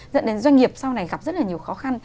dẫn đến doanh nghiệp sau này gặp rất là nhiều khó khăn